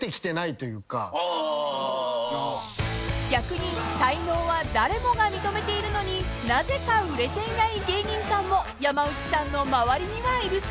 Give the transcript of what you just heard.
［逆に才能は誰もが認めているのになぜか売れていない芸人さんも山内さんの周りにはいるそうで］